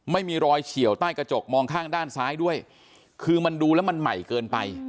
ไม่มีรอยเฉียวใต้กระจกมองข้างด้านซ้ายด้วยคือมันดูแล้วมันใหม่เกินไป